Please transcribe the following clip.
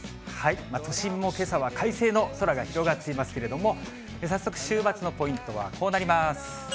都心もけさは快晴の空が広がっていますけれども、早速、週末のポイントはこうなります。